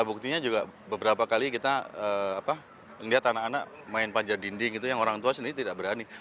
buktinya juga beberapa kali kita lihat anak anak main panjar dinding gitu yang orang tua sendiri tidak berani